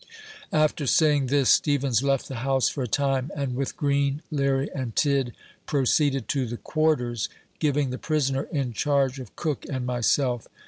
After saying this, Ste vens left the house for a time, and with Green, Leary and Tidd, proceeded to the " Quarters," giving the prisoner in charge of Cook and myself.